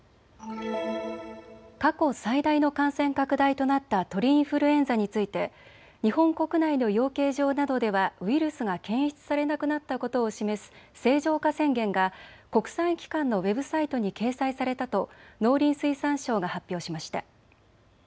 過去最大の感染拡大となった鳥インフルエンザについて日本国内の養鶏場などではウイルスが検出されなくなったことを示す清浄化宣言が国際機関のウェブサイトに掲載されたと農林水産省が発表しました。